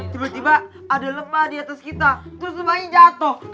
tiba tiba ada lemah di atas kita terus lemaknya jatuh